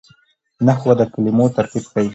نحوه د کلمو ترتیب ښيي.